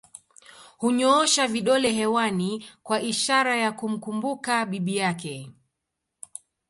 kunyoosha vidole hewani kwa ishara ya kumkumbuka bibi yake